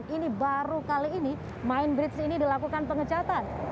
ini baru kali ini mind bridge ini dilakukan pengecatan